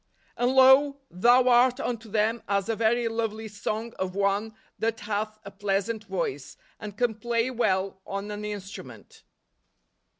"And, lo, thou art unto them as a very lovely song of one that hath a pleasant voice , and can play well on an instrument